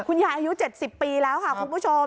คุณยายอายุ๗๐ปีแล้วค่ะคุณผู้ชม